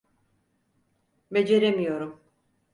Beceremiyorum.